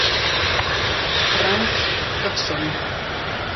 Frank Dobson